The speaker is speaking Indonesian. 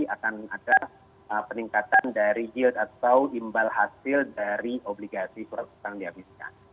akan ada peningkatan dari yield atau imbal hasil dari obligasi surat utang dihabiskan